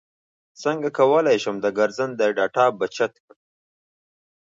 څنګه کولی شم د ګرځنده ډاټا بچت کړم